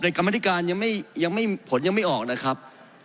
กรรมธิการยังไม่ผลยังไม่ออกนะครับ